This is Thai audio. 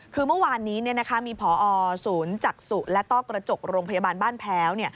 คือเมื่อวานนี้มีพอศูนย์จักษุและต้อกระจกโรงพยาบาลบ้านแพ้ว